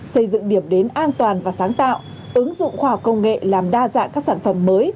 xây dựng điểm đến an toàn và sáng tạo ứng dụng khoa học công nghệ làm đa dạng các sản phẩm mới